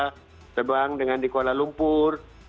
kita terbang dengan di kuala lumpur